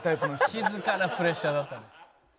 静かなプレッシャーだった。